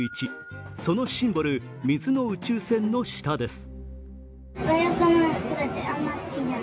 そのシンボル、水の宇宙船の下です